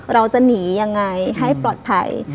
เราจะหนียังไงให้ปลอดภัย